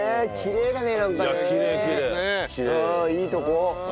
いいとこ。